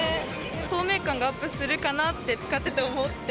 透明感がアップするかなと思って、使ってて、思って。